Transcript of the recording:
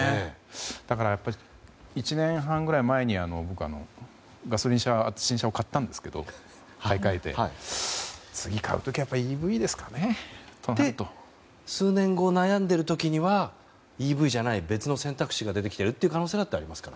だから、やっぱり１年半ぐらい前に僕はガソリン車の新車を買ったんですけど次買う時はＥＶですかねと。数年後悩んでいる時にはＥＶじゃない別の選択肢が出てきている可能性もありますから。